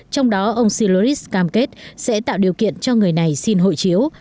trong đó ông siloris cam kết sẽ tạo điều kiện cho người này xin hội chiếu